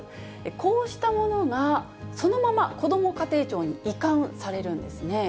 こうしたものが、そのままこども家庭庁に移管されるんですね。